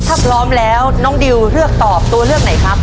ถ้าพร้อมแล้วน้องดิวเลือกตอบตัวเลือกไหนครับ